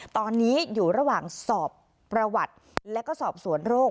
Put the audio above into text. ตอนนี้อยู่ระหว่างสอบประวัติแล้วก็สอบสวนโรค